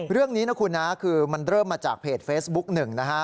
เรื่องนี้นะคุณนะคือมันเริ่มมาจากเพจเฟซบุ๊กหนึ่งนะฮะ